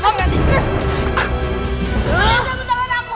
bagaimana kamu tangan aku